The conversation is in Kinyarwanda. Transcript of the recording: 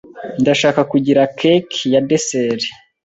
Ndashaka kugira cake ya dessert.